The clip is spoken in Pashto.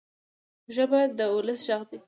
ژبه د ولس ږغ دی.